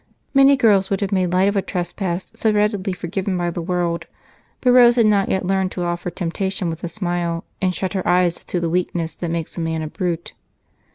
Many girls would have made light of a trespass so readily forgiven by the world, but Rose had not yet learned to offer temptation with a smile and shut her eyes to the weakness that makes a man a brute.